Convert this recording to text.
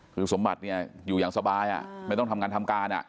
คือสมบัติเนี่ยอยู่อย่างสบายไม่ต้องทำงานทำการ